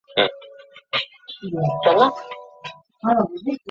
本列表为莫桑比克驻中华人民共和国历任大使名录。